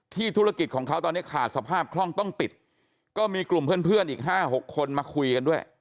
ธุรกิจของเขาตอนนี้ขาดสภาพคล่องต้องปิดก็มีกลุ่มเพื่อนอีก๕๖คนมาคุยกันด้วย